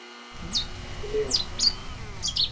以下专辑皆为多位创作者联合之作品。